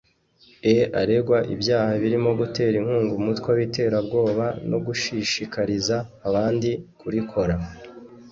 e aregwa ibyaha birimo gutera inkunga umutwe w’iterabwoba no gushishikariza abandi kurikora